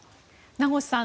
名越さん